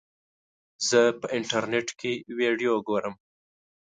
زه په انټرنیټ کې ویډیو ګورم.